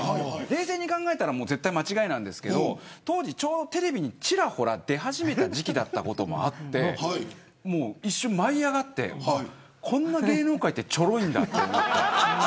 冷静に考えれば絶対間違いなんですけど当時ちょうどテレビにちらほら出始めた時期だったこともあって一瞬、舞い上がってこんなに芸能界ってちょろいんだ、と思って。